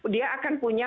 dia akan punya